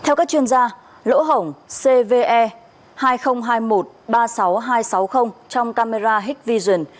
theo các chuyên gia lỗ hổng cve hai nghìn hai mươi một ba mươi sáu nghìn hai trăm sáu mươi trong camera hec vision